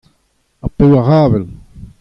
Ar pevar avel.